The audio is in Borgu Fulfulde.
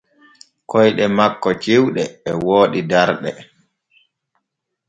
Koyɗe makko cewɗe e wooɗi darɗe.